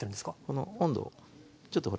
この温度をちょっとほら。